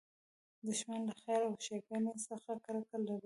دښمن له خیر او ښېګڼې څخه کرکه لري